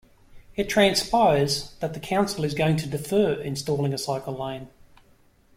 It transpires that the council is going to defer installing a cycle lane.